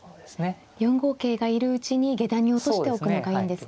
４五桂がいるうちに下段に落としておくのがいいんですね。